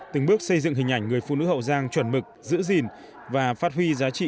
từng bước xây dựng hình ảnh người phụ nữ hậu giang chuẩn mực giữ gìn và phát huy giá trị